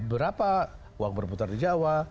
berapa uang berputar di jawa